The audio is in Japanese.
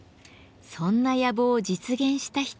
そんな野望を実現した人が。